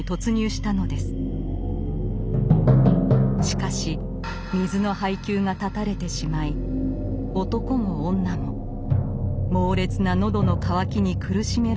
しかし水の配給が断たれてしまい男も女も猛烈な喉の渇きに苦しめられることになります。